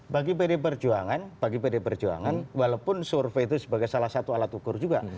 bagi pdi perjuangan walaupun survei itu sebagai salah satu alat ukur juga